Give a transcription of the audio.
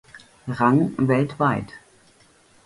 Rang weltweit.